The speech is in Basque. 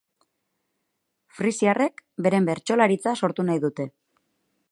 Frisiarrek beren bertsolaritza sortu nahi dute.